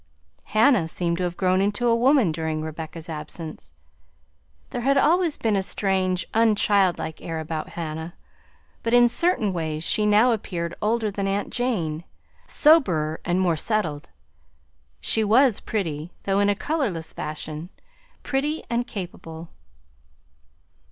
Hannah seemed to have grown into a woman during Rebecca's absence. There had always been a strange unchildlike air about Hannah, but in certain ways she now appeared older than aunt Jane soberer, and more settled. She was pretty, though in a colorless fashion; pretty and capable.